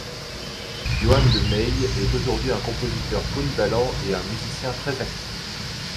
Johan de Meij est aujourd'hui un compositeur polyvalent et un musicien très actif.